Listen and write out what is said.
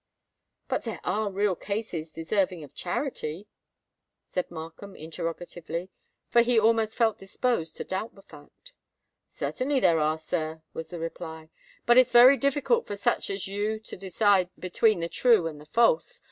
"But there are real cases deserving of charity?" said Markham, interrogatively,—for he almost felt disposed to doubt the fact. "Certainly there are, sir," was the reply; "but it's very difficult for such as you to decide between the true and the false.